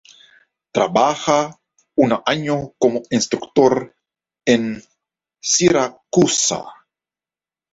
Trabaja un año como instructor en Siracusa.